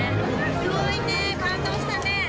すごいね、感動したね。